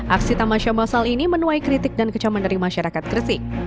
aksi tamasya masal ini menuai kritik dan kecaman dari masyarakat gresik